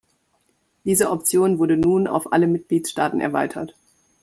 Diese Option wurde nun auf alle Mitgliedstaaten erweitert.